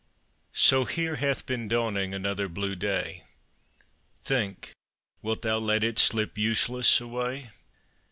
So here hath been dawning Another blue day; Think, wilt thou let it Slip useless away?